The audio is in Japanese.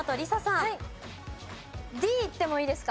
Ｄいってもいいですか？